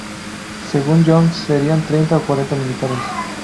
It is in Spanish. Según Jones serían treinta o cuarenta millares.